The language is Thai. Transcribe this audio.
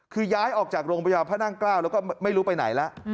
คือย้ายออกจากโรงพยาบาลพระนั่งเกล้าแล้วก็ไม่รู้ไปไหนแล้ว